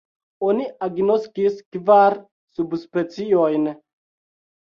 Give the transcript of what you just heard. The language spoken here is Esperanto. Oni agnoskis kvar subspeciojn.